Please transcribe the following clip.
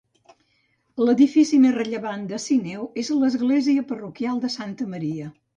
L'edifici més rellevant de Sineu és l'església parroquial de Santa Maria.